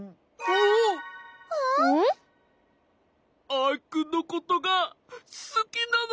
アイくんのことがすきなのかも？